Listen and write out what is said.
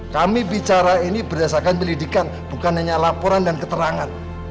kami bicara ini berdasarkan penyelidikan bukan hanya laporan dan keterangan